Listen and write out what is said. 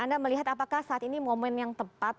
anda melihat apakah saat ini momen yang tepat